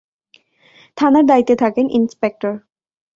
থানার দায়িত্বে থাকেন ইনস্পেক্টর।